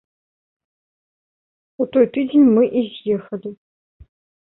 У той тыдзень мы і з'ехалі.